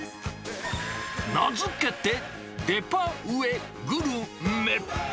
名付けて、デパ上グルメ。